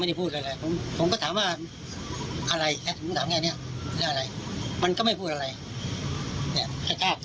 อะไรแค่ถึงถามแค่เนี้ยเรียกอะไรมันก็ไม่พูดอะไรเนี้ยแค่กาบ